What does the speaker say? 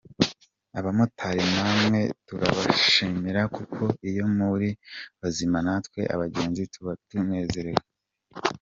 Abamotari namwe turabashimira kuko iyo muri bazima natwe abagenzi tuba tunezerewe.